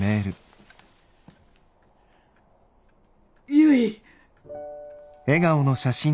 ゆい。